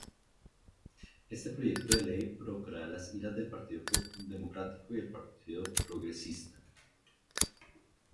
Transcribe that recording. Este proyecto de ley provocó la iras del Partido Democrático y del Partido Progresista.